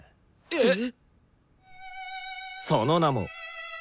えっ。